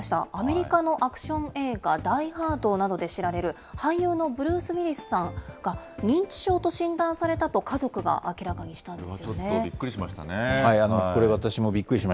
アメリカのアクション映画、ダイ・ハードなどで知られる俳優のブルース・ウィリスさんが認知症と診断されたと家族が明らかにしたこれはちょっとびっくりしま